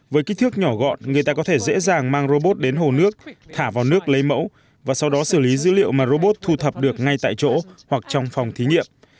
với kích thước nhỏ gọn người ta có thể dễ dàng mang robot đến hồ nước thả vào nước lấy mẫu và sau đó xử lý dữ liệu mà robot thu thập được ngay tại chỗ hoặc trong phòng thí nghiệm